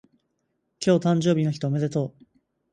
今日誕生日の人おめでとう